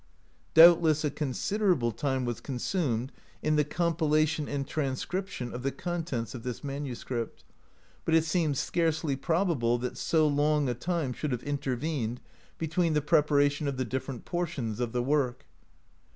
Doubtless a considerable time was consumed in the compilation and transcription of the contents of this manuscript ; but it seems scarcely probable that so long a time should have intervened between the preparation of the different portions of the work.